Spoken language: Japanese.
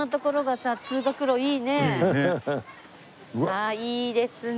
ああいいですね。